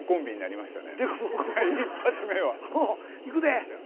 いくで。